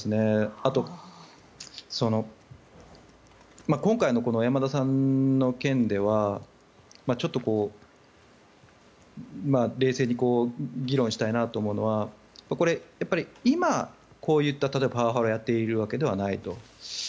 あと、今回の小山田さんの件ではちょっと冷静に議論したいなと思うのはこれ、今こういったパワハラをやっているわけではないと。